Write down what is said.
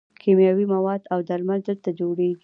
کیمیاوي مواد او درمل دلته جوړیږي.